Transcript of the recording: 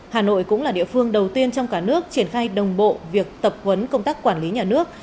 hà nội cũng là địa phương đầu tiên trong cả nước triển khai đồng bộ việc tập huấn công tác quản lý nhà nước